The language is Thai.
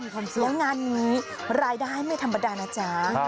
แล้วงานนี้รายได้ไม่ธรรมดานะจ๊ะ